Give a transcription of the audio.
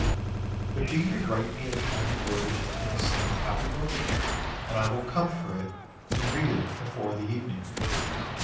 But do you write me a kind word in this same copy book, and I will come for it and read it before the evening.